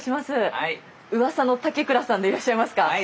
うわさの竹倉さんでいらっしゃいますか？